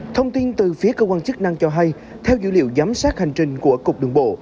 thông tin từ phía cơ quan chức năng cho hay theo dữ liệu giám sát hành trình của cục đường bộ